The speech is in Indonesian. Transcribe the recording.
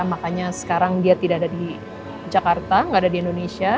makanya sekarang dia tidak ada di jakarta tidak ada di indonesia